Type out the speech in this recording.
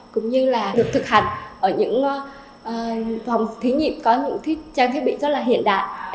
cũng như là được thực hành ở những phòng thí nghiệm có những trang thiết bị rất là hiện đại